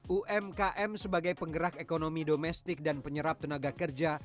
umkm sebagai penggerak ekonomi domestik dan penyerap tenaga kerja